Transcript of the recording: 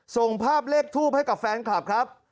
ส่งภาพเลขทูปให้กับแฟนคลับครับ